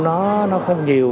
nó không nhiều